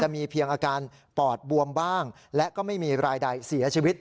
มีเพียงอาการปอดบวมบ้างและก็ไม่มีรายใดเสียชีวิต